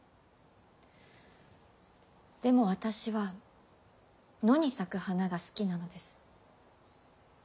でも私は野に咲く花が好きなのです。